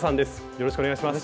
よろしくお願いします。